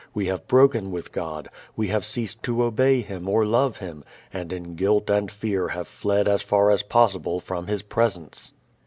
We have broken with God. We have ceased to obey Him or love Him and in guilt and fear have fled as far as possible from His Presence.